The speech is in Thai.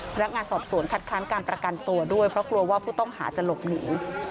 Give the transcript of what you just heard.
พนักงานสอบสวนคัดค้านการประกันตัวด้วยเพราะกลัวว่าผู้ต้องหาจะหลบหนี